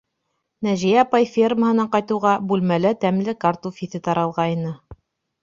Нәжиә апай фермаһынан ҡайтыуға, бүлмәлә тәмле картуф еҫе таралғайны.